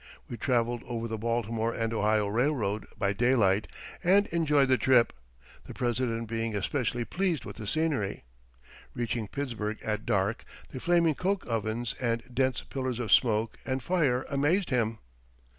We traveled over the Baltimore and Ohio Railroad by daylight, and enjoyed the trip, the president being especially pleased with the scenery. Reaching Pittsburgh at dark, the flaming coke ovens and dense pillars of smoke and fire amazed him.